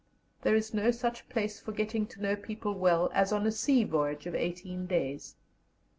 There is no such place for getting to know people well as on a sea voyage of eighteen days.